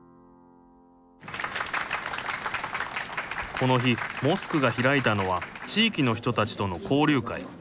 この日モスクが開いたのは地域の人たちとの交流会。